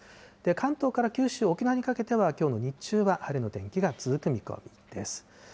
関東から九州、沖縄にかけてはきょうの日中は晴れの天気が続く見込みです。